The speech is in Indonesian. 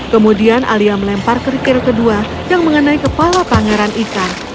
kemudian alia melempar kerikil kedua yang mengenai kepala pangeran ikan